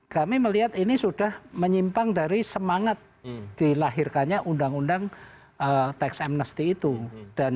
kami melihat ini sudah menyimpang dari semangat dilahirkannya undang undang tax amnesty itu